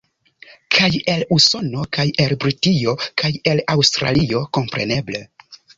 Kaj el Usono, kaj el Britio, kaj el Aŭstralio, kompreneble.